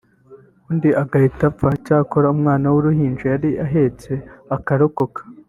undi agahita apfa cyakora umwana w’uruhinja yari ahetse akarokoka